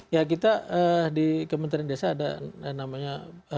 ya kita di kementerian desa ada namanya